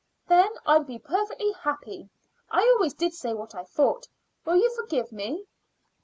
Then I'd be perfectly happy. I always did say what I thought. Will you forgive me?"